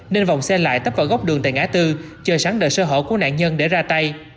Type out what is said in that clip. nên vòng xe lại tấp vào góc đường tại ngã tư chờ sáng đợi sơ hở của nạn nhân để ra tay